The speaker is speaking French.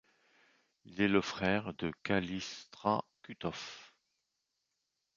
Il est le frère de Calistrat Cuțov.